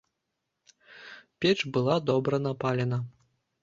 Печ была добра напалена.